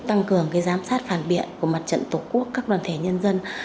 tăng cường giám sát phản biện của mặt trận tổ quốc các đoàn thể nhân dân